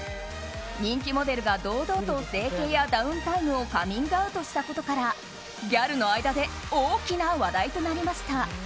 人気モデルが堂々と整形やダウンタイムをカミングアウトしたことからギャルの間で大きな話題となりました。